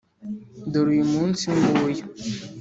dore uyu munsi nguyu